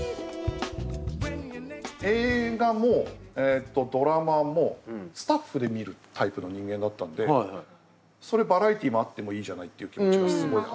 映画もドラマもスタッフで見るタイプの人間だったんでそれバラエティーもあってもいいじゃないって気持ちがすごいある。